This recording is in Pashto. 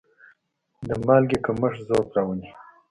د مالګې کمښت ضعف راولي.